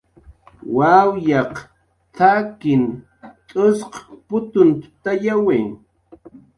"Wawyaq t""akin t'usq putuptayawi"